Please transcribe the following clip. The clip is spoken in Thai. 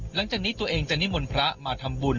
หลังจากนี้ตัวเองจะนิมนต์พระมาทำบุญ